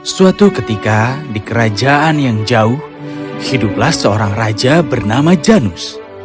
suatu ketika di kerajaan yang jauh hiduplah seorang raja bernama janus